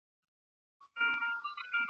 زه خبر سوم ..